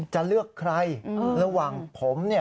จะเลือกใครระหว่างผม